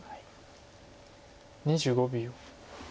２５秒。